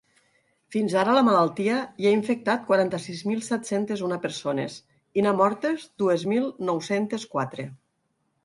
Fins ara la malaltia hi ha infectat quaranta-sis mil set-cents una persones i n’ha mortes dues mil nou-centes quatre.